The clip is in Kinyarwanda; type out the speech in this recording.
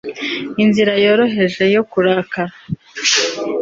Inzira ya mbere yoroheje yo kurakara